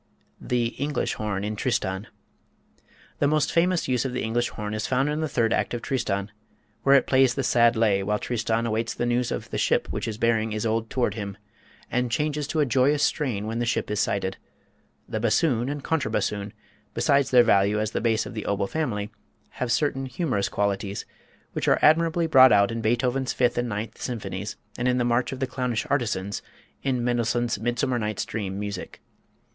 The English Horn in "Tristan." The most famous use of the English horn is found in the third act of "Tristan," where it plays the "sad lay" while Tristan awaits news of the ship which is bearing Isolde toward him, and changes to a joyous strain when the ship is sighted. The bassoon and contrabassoon, besides their value as the bass of the oboe family, have certain humorous qualities, which are admirably brought out in Beethoven's Fifth and Ninth Symphonies and in the march of the clownish artisans in Mendelssohn's "Midsummer Night's Dream" music.